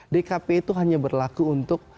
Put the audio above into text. dkp itu hanya berlaku untuk